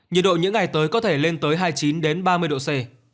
nhiệt độ những ngày tới có thể lên tới hai mươi chín ba mươi độ c